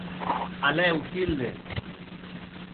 A lèu, Hilde.